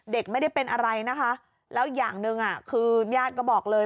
เด็กไม่ได้เป็นอะไรนะคะแล้วอย่างหนึ่งคือญาติก็บอกเลย